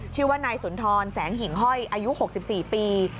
ชื่อว่านายสุนทรแสงหิ่งห้อยอายุ๖๔ปี